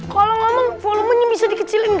kalau ngomong volumenya bisa dikecilin